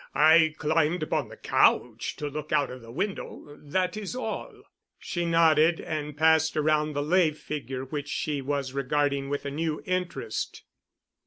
I climbed upon the couch to look out of the window. That is all." She nodded and passed around the lay figure which she was regarding with a new interest.